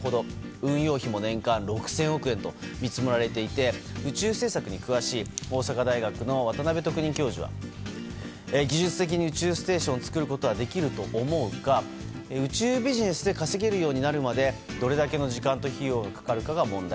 運用費も年間６０００億円と見積もられていて宇宙政策に詳しい大阪大学の渡邉特任教授は技術的に宇宙ステーションを作ることはできると思うが、宇宙ビジネスで稼げるようになるまでどれだけの時間と費用が掛かるかが問題。